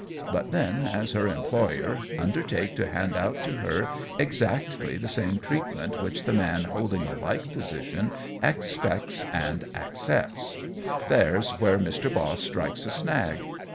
But then, as her employer, undertake to hand out to her exactly the same treatment which the man holding a like position expects and accepts. There's where Mr. Boss strikes a snag.